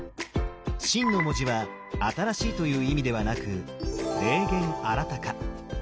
「新」の文字は「新しい」という意味ではなく「霊験新たか」。